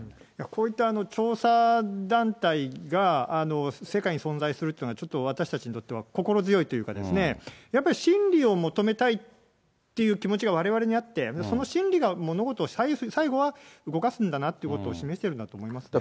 こういった調査団体が、世界に存在するっていうのは、ちょっと私たちにとっては、心強いというかですね、やっぱり真理を求めたいっていう気持ちが、われわれにあって、その真理が物事を左右する、最後は動かすんだなっていうことを示してるんだと思いますね。